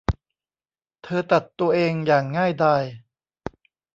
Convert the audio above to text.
เธอตัดตัวเองอย่างง่ายดาย